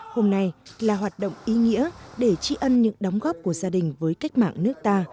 hôm nay là hoạt động ý nghĩa để tri ân những đóng góp của gia đình với cách mạng nước ta